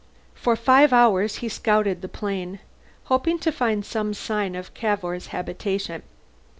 For five hours he scouted the plain, hoping to find some sign of Cavour's habitation.